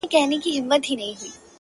د قصاب څنګ ته موچي په کار لګیا وو-